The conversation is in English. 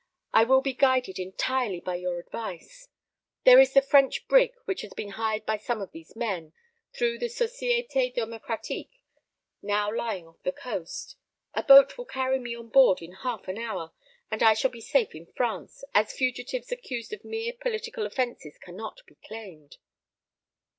"I will be guided entirely by your advice. There is the French brig which has been hired by some of these men, through the Société Democratique, now lying off the coast. A boat will carry me on board in half an hour, and I shall be safe in France, as fugitives accused of mere political offences cannot be claimed."